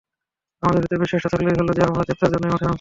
আমাদের ভেতরে বিশ্বাসটা থাকলেই হলো যে, আমরা জেতার জন্যই মাঠে নামছি।